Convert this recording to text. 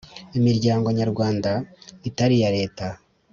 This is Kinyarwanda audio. imiryango Nyarwanda itari iya Leta